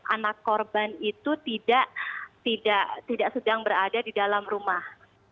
anak korban itu tidak sedang berada di dalam rumah